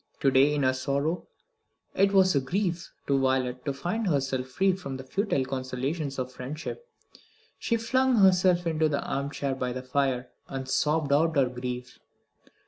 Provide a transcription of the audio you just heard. To day, in her sorrow, it was a relief to Violet to find herself free from the futile consolations of friendship. She flung herself into the arm chair by the fire and sobbed out her grief.